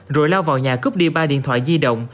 rồi lao vào nhà cướp đi ba điện thoại di động